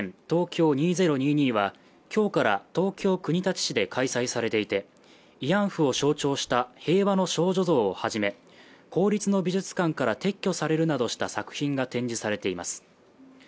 東京２０２２は今日から東京国立市で開催されていて慰安婦を象徴した平和の少女像をはじめ公立の美術館から撤去されるなどした作品が展示されています